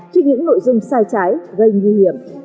trên những nội dung sai trái gây nguy hiểm